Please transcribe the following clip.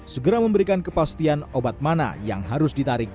segera memberikan kepastian obat mana yang harus ditarik